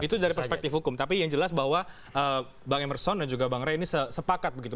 itu dari perspektif hukum tapi yang jelas bahwa bang emerson dan juga bang ray ini sepakat begitu